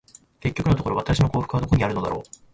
結局のところ、私の幸福はどこにあるのだろう。